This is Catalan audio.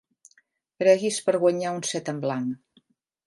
Preguis per guanyar un set en blanc.